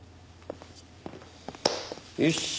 よし。